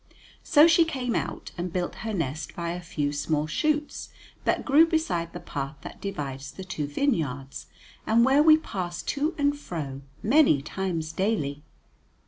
So she came out and built her nest by a few small shoots that grew beside the path that divides the two vineyards, and where we passed to and fro many times daily.